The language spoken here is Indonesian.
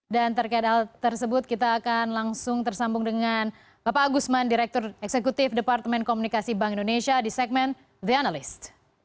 dan terkait hal tersebut kita akan langsung tersambung dengan bapak agusman direktur eksekutif departemen komunikasi bank indonesia di segmen the analyst